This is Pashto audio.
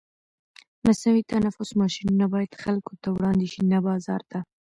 مصنوعي تنفس ماشینونه باید خلکو ته وړاندې شي، نه بازار ته.